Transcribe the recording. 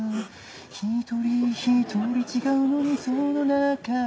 「一人一人違うのにその中で」